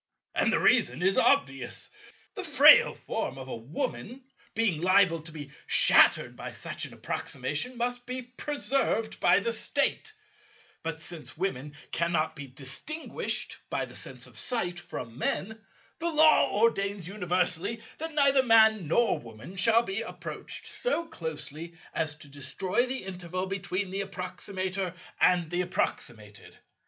And the reason is obvious. The frail form of a Woman, being liable to be shattered by such an approximation, must be preserved by the State; but since Women cannot be distinguished by the sense of sight from Men, the Law ordains universally that neither Man nor Woman shall be approached so closely as to destroy the interval between the approximator and the approximated.